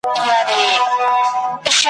نه خندا د چا پر شونډو باندي گرځي ,